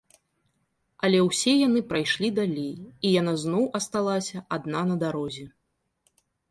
Але ўсе яны прайшлі далей, і яна зноў асталася адна на дарозе.